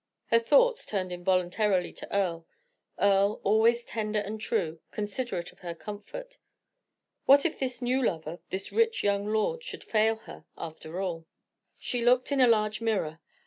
Her thoughts turned involuntarily to Earle Earle, always tender and true, considerate of her comfort. What if this new lover, this rich young lord, should fail her, after all? She looked in a large mirror.